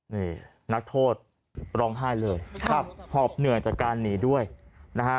นี่นักโทษร้องไห้เลยครับหอบเหนื่อยจากการหนีด้วยนะฮะ